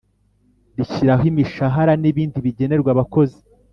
rishyiraho imishahara n’ibindi bigenerwa abakozi